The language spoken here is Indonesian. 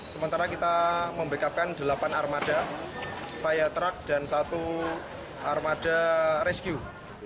sementara kita membekapkan delapan armada fire truck dan satu armada rescue